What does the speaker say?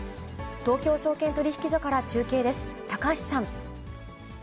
東京証券取引所から中継です、高橋さん。